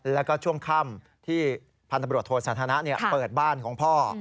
แล้วก็ช่วงค่ำที่พันธบรวจโทสันทนะเปิดบ้านของพ่อ